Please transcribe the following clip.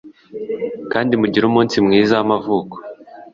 kandi mugire umunsi mwiza wamavuko